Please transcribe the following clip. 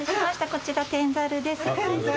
こちら天ざるです。